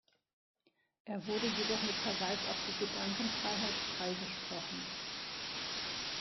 Er wurde jedoch mit Verweis auf die Gedankenfreiheit freigesprochen.